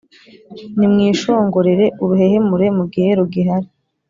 Nimwishongorere uruhehemure mugihe rugihari